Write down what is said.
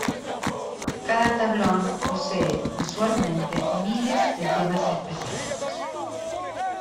Cada tablón posee usualmente miles de temas específicos.